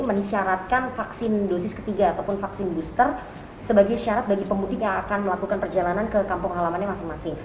menisyaratkan vaksin dosis ketiga ataupun vaksin booster sebagai syarat bagi pemudik yang akan melakukan perjalanan ke kampung halamannya masing masing